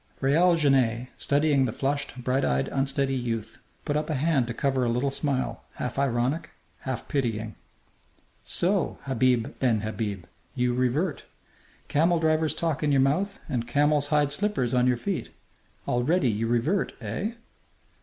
Raoul Genet, studying the flushed, bright eyed, unsteady youth, put up a hand to cover a little smile, half ironic, half pitying. "So, Habib ben Habib, you revert! Camel driver's talk in your mouth and camel's hide slippers on your feet. Already you revert! Eh?"